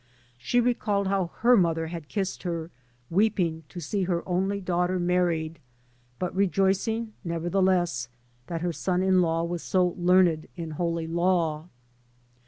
She recalled how her mother had kissed her, weeping to see her only daughter married," but rejoicing nevertheless that her son in law was so learned in Holy Law."